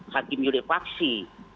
hakim yurik paksi